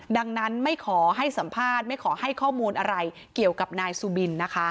ดังนั้นไม่ขอให้สัมภาษณ์ไม่ขอให้ข้อมูลอะไรเกี่ยวกับนายสุบินนะคะ